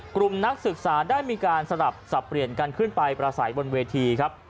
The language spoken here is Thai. นักศึกษาได้มีการสลับสับเปลี่ยนกันขึ้นไปประสัยบนเวทีครับ